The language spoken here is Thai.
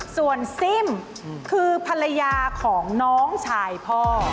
ส่วนซิ่มคือภรรยาของน้องชายพ่อ